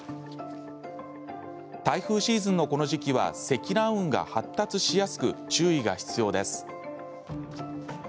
台風シーズンのこの時期は積乱雲が発達しやすく注意が必要です。